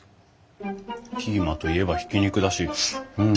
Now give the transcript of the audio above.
キーマといえばひき肉だしうん。